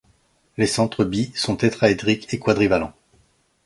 Les centres Be sont tétraédriques et quadrivalents.